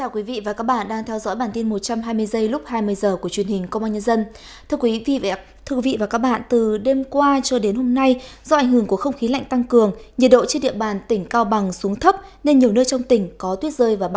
các bạn hãy đăng ký kênh để ủng hộ kênh của chúng mình nhé